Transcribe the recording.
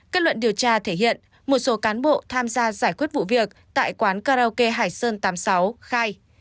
kết luận điều tra thể hiện một số cán bộ tham gia giải quyết vụ việc tại quán karaoke hải sơn tám mươi sáu khai